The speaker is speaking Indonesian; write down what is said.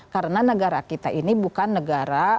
karena negara kita ini bukan negara